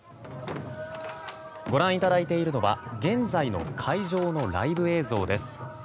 ご覧いただいているのは現在の会場のライブ映像です。